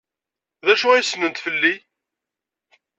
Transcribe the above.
D acu ay ssnent fell-i?